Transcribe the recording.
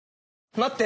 待って！